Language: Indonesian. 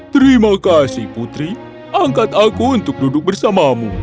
terima kasih putri angkat aku untuk duduk bersamamu